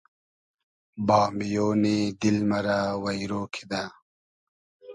بامیۉنی دیل مۂ رۂ وݷرۉ کیدۂ